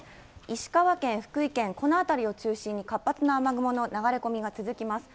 石川県、福井県、この辺りを中心に活発な雨雲の流れ込みが続きます。